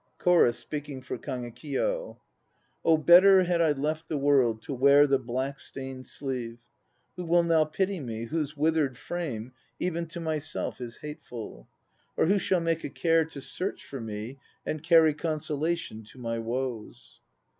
CHORUS (speaking for KAGEKIYO). Oh better had I left the world, to wear The black stained sleeve. Who will now pity me, whose withered frame Even to myself is hateful? Or who shall make a care to search for me And carry consolation to my woes?